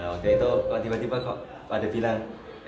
nah waktu itu kok tiba tiba kok pada bilang